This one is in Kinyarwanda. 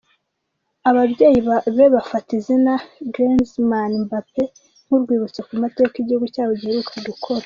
Ababyeyi be bafata izina ’Griezmann Mbappé’ nk’urwibutso ku mateka igihugu cyabo giheruka gukora.